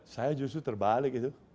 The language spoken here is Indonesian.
saya justru terbalik itu